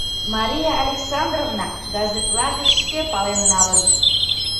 Мария Александровна газетла гыч шке пален налын...